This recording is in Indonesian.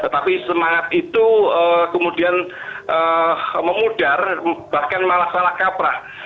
tapi semangat itu kemudian memudar bahkan malah salah kaprah